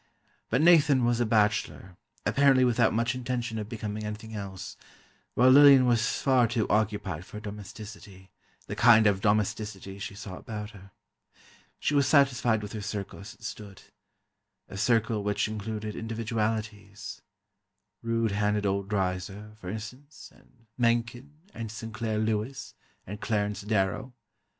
But Nathan was a bachelor, apparently without much intention of becoming anything else, while Lillian was far too occupied for domesticity, the kind of domesticity she saw about her. She was satisfied with her circle as it stood—a circle which included individualities: rude handed old Dreiser, for instance, and Mencken, and Sinclair Lewis, and Clarence Darrow.